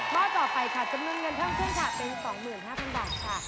ข้อต่อไปค่ะจำนวนเงินเพิ่มขึ้นค่ะเป็น๒๕๐๐บาทค่ะ